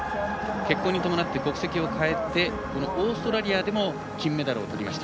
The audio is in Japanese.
結婚に伴って国籍を変えてオーストラリアでも金メダルをとりました。